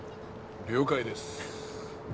了解です